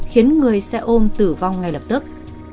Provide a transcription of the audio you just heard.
khiến người sẽ ôm tử vong ngay lập tức